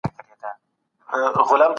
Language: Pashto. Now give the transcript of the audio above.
عملي کار ته اړتيا ده.